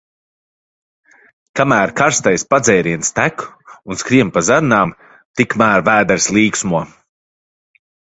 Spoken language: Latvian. Kamēr karstais padzēriens tek un skrien pa zarnām, tikmēr vēders līksmo.